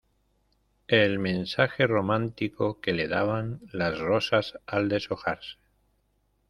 el mensaje romántico que le daban las rosas al deshojarse.